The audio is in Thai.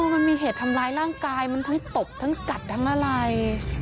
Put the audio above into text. มันมีเหตุทำร้ายร่างกายมันทั้งตบทั้งกัดทั้งอะไร